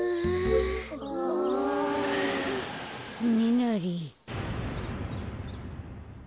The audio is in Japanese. つねなり。